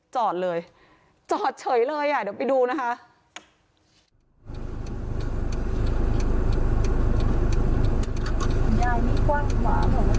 จอดเลยจอดเฉยเลยอ่ะเดี๋ยวไปดูนะคะ